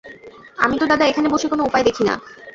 আমি তো দাদা এখানে বসে কোন উপায় দেখি না।